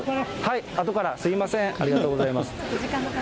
あとから、すみません、ありがとうございます。